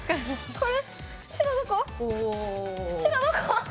これ。